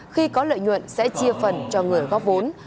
khi có lợi nhuận sẽ chia phần cho người góp vốn